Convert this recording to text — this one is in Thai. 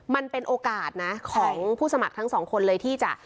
มันเป็นโอกาสนะของผู้สมัครทั้งสองคนเลยที่จะ